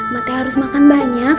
mbaknya harus makan banyak